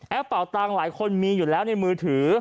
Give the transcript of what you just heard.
เป่าตังค์หลายคนมีอยู่แล้วในมือถือ